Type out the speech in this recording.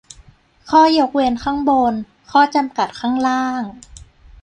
"ข้อยกเว้นข้างบน ข้อจำกัดข้างล่าง"